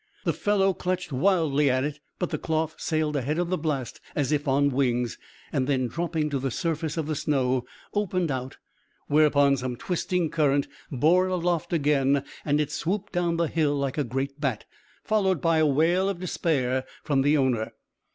The fellow clutched wildly at it, but the cloth sailed ahead of the blast as if on wings, then, dropping to the surface of the snow, opened out, whereupon some twisting current bore it aloft again, and it swooped down the hill like a great bat, followed by a wail of despair from the owner.